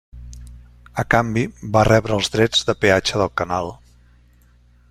A canvi, va rebre els drets de peatge del canal.